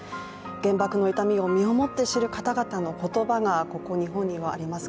原爆の意味を身をもって知る方々の言葉が、ここ日本にはあります。